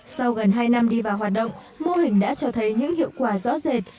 sau gần hai năm đi vào hoạt động mô hình đã cho thấy những hiệu quả rõ rệt